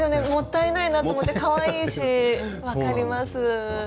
もったいないなと思ってかわいいし分かります。